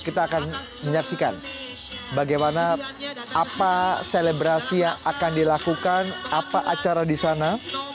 kita akan menyaksikan bagaimana apa selebrasi yang akan dilakukan apa acara di sana